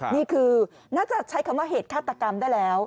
นี่คือน่าจะใช้คำว่าเหตุฆาตกรรมได้แล้ว